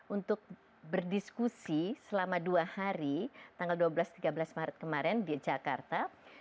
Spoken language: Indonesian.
untuk berdiskusi selama dua hari tanggal dua belas tiga belas maret kemarin di jakarta